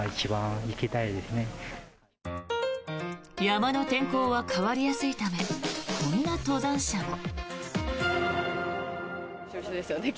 山の天候は変わりやすいためこんな登山者も。